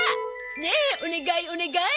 ねえお願いお願い！